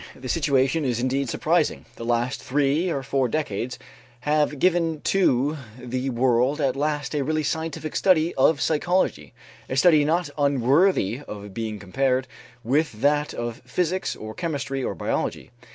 The situation is indeed surprising. The last three or four decades have given to the world at last a really scientific study of psychology, a study not unworthy of being compared with that of physics or chemistry or biology.